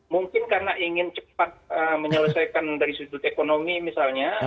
mungkin karena ingin cepat menyelesaikan dari sudut ekonomi misalnya